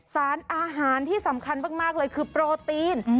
สารอาหารที่สำคัญมากเลยคือโปรตีน